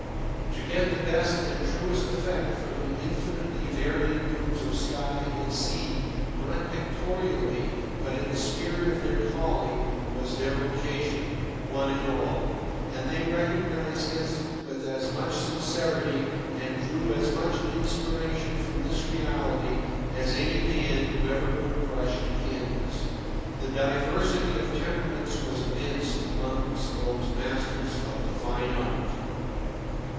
To get the best and truest effect from the infinitely varying moods of sky and sea, not pictorially, but in the spirit of their calling, was their vocation, one and all; and they recognised this with as much sincerity, and drew as much inspiration from this reality, as any man who ever put brush to canvas. The diversity of temperaments was immense amongst those masters of the fine art.